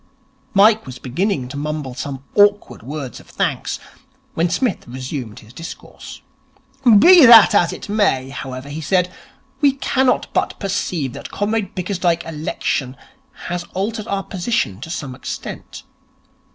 Mike was beginning to mumble some awkward words of thanks, when Psmith resumed his discourse. 'Be that as it may, however,' he said, 'we cannot but perceive that Comrade Bickersdyke's election has altered our position to some extent.